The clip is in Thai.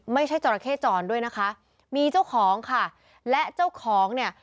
จราเข้จรด้วยนะคะมีเจ้าของค่ะและเจ้าของเนี่ย